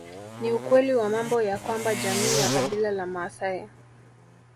Ni ukweli wa mambo ya kwamba jamii ya kabila la maasai